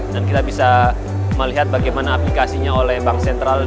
dan kita bisa melihat bagaimana aplikasinya oleh bank sentral